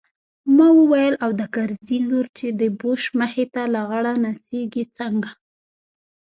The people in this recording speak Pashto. ما وويل او د کرزي لور چې د بوش مخې ته لغړه نڅېږي څنګه.